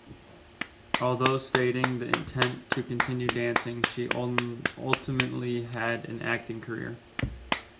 Although stating the intention to continue dancing, she ultimately had an acting career.